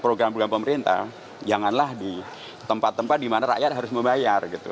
program program pemerintah janganlah di tempat tempat di mana rakyat harus membayar gitu